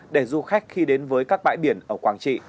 để du khách khi đến với các bãi biển ở quảng trị